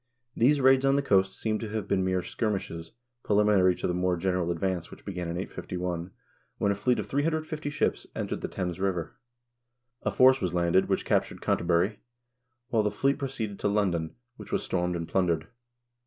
These raids on the coast seem to have been mere skirmishes pre liminary to the more general advance which began in 851, when a fleet of 350 ships entered the Thames River.1 A force was landed, which captured Canterbury, while the fleet proceeded to London, which was stormed and plundered.